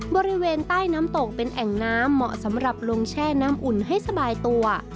บริเวณใต้น้ำตกเป็นแอ่งน้ำเหมาะสำหรับลงแช่น้ำอุ่นให้สบายตัว